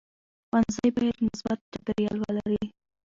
ښوونځی باید مثبت چاپېریال ولري.